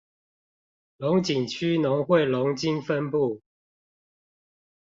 龍井區農會龍津分部